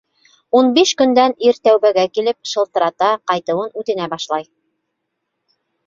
Ун биш көндән ир тәүбәгә килеп, шылтырата, ҡайтыуын үтенә башлай.